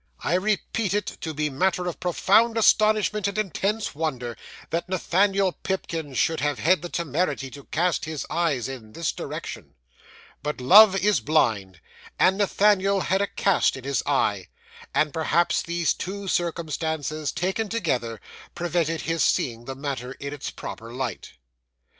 I repeat it, to be matter of profound astonishment and intense wonder, that Nathaniel Pipkin should have had the temerity to cast his eyes in this direction. But love is blind; and Nathaniel had a cast in his eye; and perhaps these two circumstances, taken together, prevented his seeing the matter in its proper light.